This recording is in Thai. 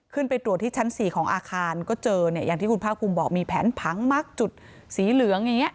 ขึ้นไปตรวจที่ชั้น๔ของอาคารก็เจอเนี่ยอย่างที่คุณภาคภูมิบอกมีแผนผังมักจุดสีเหลืองอย่างนี้